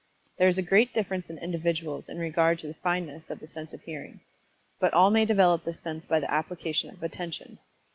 There is a great difference in individuals in regard to the fineness of the sense of Hearing. But all may develop this sense by the application of Attention.